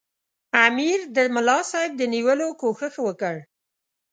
امیر د ملاصاحب د نیولو کوښښ وکړ.